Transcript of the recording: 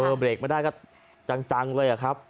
เออเบรกไม่ได้ครับจังเลยครับ